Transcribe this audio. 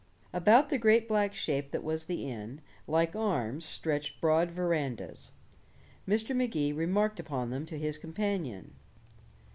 About the great black shape that was the inn, like arms, stretched broad verandas. Mr. Magee remarked upon them to his companion.